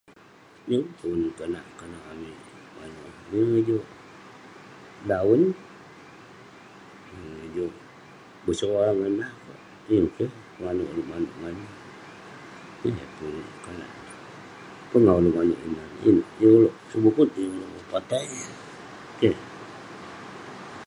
yeng pun konak amik manouk, yeng juk lawen, yeng juk besoal ngan nah, yeng keh penganouk amik manouk ngan neh, yeng eh pun konak ,pongah ulouk manouk ineh, inouk yeng ulouk sebukut, yeng ulouk pepatai, keh